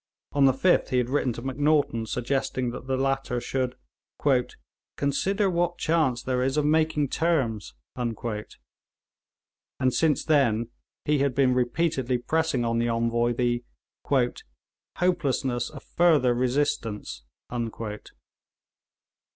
On the 5th he had written to Macnaghten suggesting that the latter should 'consider what chance there is of making terms,' and since then he had been repeatedly pressing on the Envoy the 'hopelessness of further resistance.'